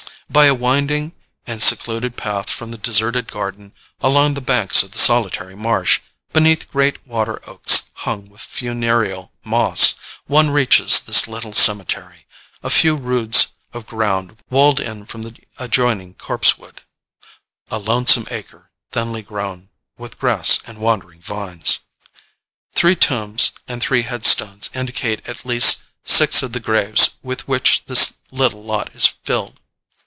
By a winding and secluded path from the deserted garden, along the banks of the solitary marsh, beneath great water oaks hung with funereal moss, one reaches this little cemetery, a few roods of ground walled in from the adjoining copsewood A lonesome acre, thinly grown With grass and wandering vines. Three tombs and three headstones indicate at least six of the graves with which this little lot is filled.